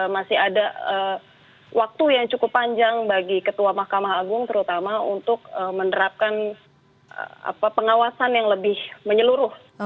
masih ada waktu yang cukup panjang bagi ketua mahkamah agung terutama untuk menerapkan pengawasan yang lebih menyeluruh